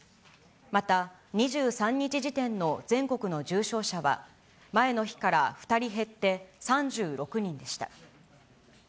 また、２３日時点の全国の重症者は、前の日から２人減って３６人でした。